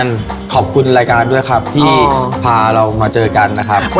ขอบคุณรายการด้วยครับที่พาเรามาเจอกันนะครับ